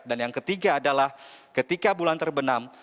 dan yang ketiga adalah ketika bulan terbenam